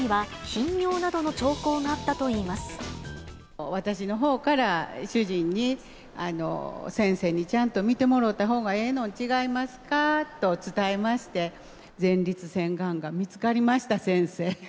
私のほうから、主人に、先生にちゃんと診てもろうたほうがええのんちゃうんかと伝えまして、前立腺がんが見つかりました、先生。